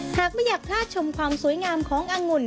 หากไม่อยากทาชมความสวยงามของอังหวิว